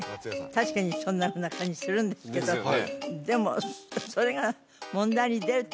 確かにそんなふうな感じするんですけどでもそれがああ